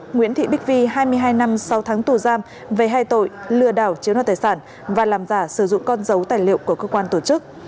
nguyễn thị bích vi hai mươi hai năm sáu tháng tù giam về hai tội lừa đảo chiếm đoạt tài sản và làm giả sử dụng con dấu tài liệu của cơ quan tổ chức